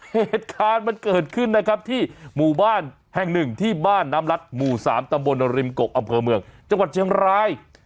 เหตุการณ์มันเกิดขึ้นนะครับที่หมู่บ้านแห่งหนึ่งที่บ้านน้ำรัดหมู่๓ตำบลริมกกอำเภอเมืองจังหวัดเชียงราย